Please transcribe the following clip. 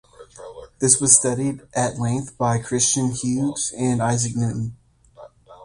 This was studied at length by Christiaan Huygens and Isaac Newton.